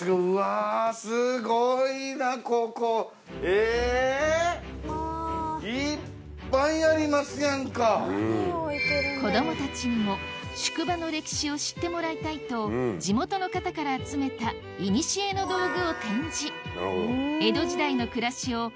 えぇ⁉子供たちにも宿場の歴史を知ってもらいたいと地元の方から集めたいにしえの道具を展示